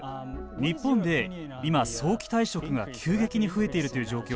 日本で今、早期退職が急激に増えているという状況